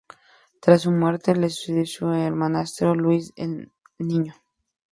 Tras su muerte le sucedió su hermanastro Luis el Niño